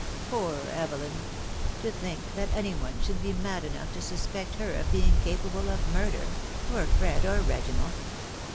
Poor Evelyn! To think that anyone should be mad enough to suspect her of being capable of murder — or Fred or Reginald.